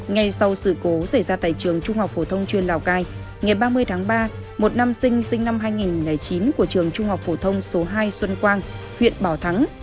ngay sau sự cố xảy ra tại trường trung học phổ thông chuyên lào cai ngày ba mươi tháng ba một nam sinh năm hai nghìn chín của trường trung học phổ thông số hai xuân quang huyện bảo thắng